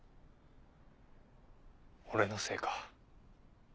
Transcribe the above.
俺のせいか。